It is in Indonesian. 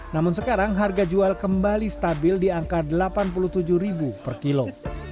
namun sekarang harga jual kembali stabil di angka rp delapan puluh tujuh per kilo